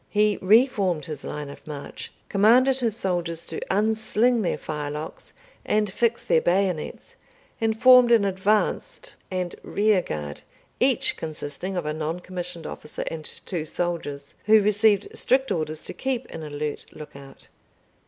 He reformed his line of march, commanded his soldiers to unsling their firelocks and fix their bayonets, and formed an advanced and rear guard, each consisting of a non commissioned officer and two soldiers, who received strict orders to keep an alert look out.